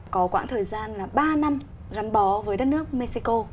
có quãng thời gian là ba năm gắn bó với đất nước mexico